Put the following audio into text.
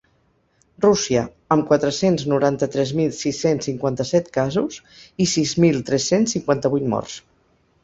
Rússia, amb quatre-cents noranta-tres mil sis-cents cinquanta-set casos i sis mil tres-cents cinquanta-vuit morts.